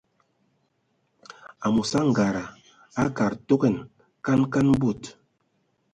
Amos angada akad togan kan kan bod.